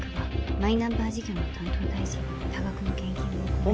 「マイナンバー事業の担当大臣に多額の献金を行い」